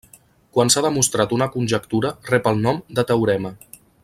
Quan s'ha demostrat una conjectura rep el nom de teorema.